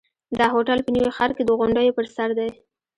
دا هوټل په نوي ښار کې د غونډیو پر سر دی.